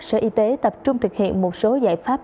sở y tế tập trung thực hiện một số giải pháp